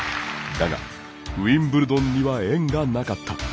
だが、ウィンブルドンには縁がなかった。